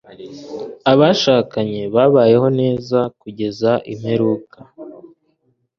Abashakanye babayeho neza kugeza imperuka.